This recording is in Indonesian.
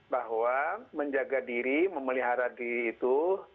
bahwa menjaga diri memelihara diri itu